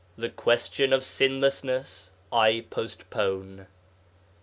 The question of Sinlessness I postpone.